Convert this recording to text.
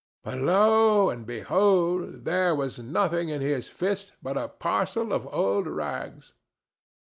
But, lo and behold! there was nothing in his fist but a parcel of old rags."